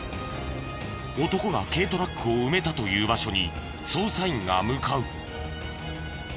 男が軽トラックを埋めたという場所に捜査員が向かう。